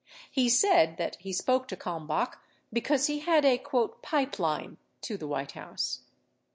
He said that he spoke to Kalmbach because he had a "pipeline" to the White House.